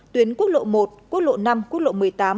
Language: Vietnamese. tuyến quốc lộ một quốc lộ năm quốc lộ